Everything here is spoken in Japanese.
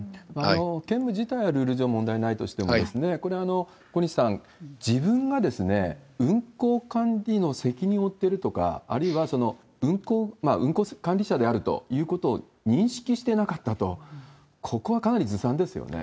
兼務自体はルール上、問題ないとしても、これ、小西さん、自分が運航管理の責任を負っているとか、あるいは運航管理者であるということを認識してなかったと、ここはかなりずさんですよね。